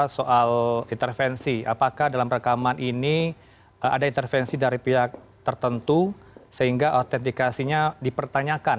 soal intervensi apakah dalam rekaman ini ada intervensi dari pihak tertentu sehingga autentikasinya dipertanyakan